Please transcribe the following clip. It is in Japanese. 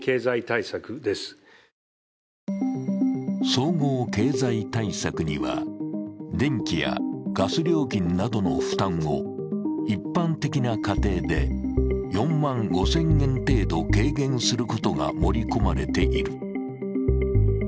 総合経済対策には、電気やガス料金などの負担を一般的な家庭で４万５０００円程度軽減することが盛り込まれている。